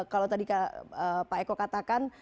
kalau tadi pak eko katakan